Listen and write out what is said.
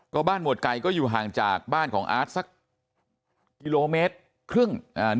ก็บ้านหมวดไก่ก็อยู่ห่างจากบ้านของอาร์ตสักกิโลเมตรครึ่งอ่า